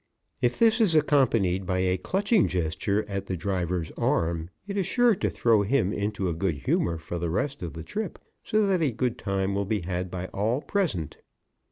"] If this is accompanied by a clutching gesture at the driver's arm it is sure to throw him into a good humor for the rest of the trip, so that a good time will be had by all present.